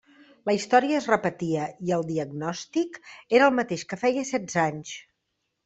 La història es repetia i el diagnòstic era el mateix que feia setze anys!